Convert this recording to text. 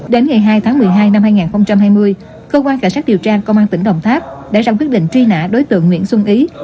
đến ngày hai tháng một mươi hai năm hai nghìn hai mươi cơ quan cảnh sát điều tra công an tỉnh đồng tháp đã ra quyết định truy nã đối tượng nguyễn xuân ý